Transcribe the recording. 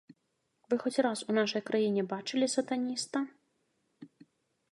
Вы хоць раз у нашай краіне бачылі сатаніста?